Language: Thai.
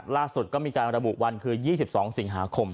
ล่าสุดก็มีการระบุวันคือ๒๒สิงหาคม